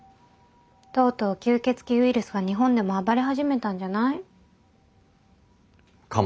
とうとう吸血鬼ウイルスが日本でも暴れ始めたんじゃない？かもね。